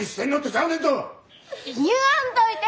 言わんといて！